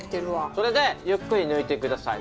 それでゆっくり抜いて下さい。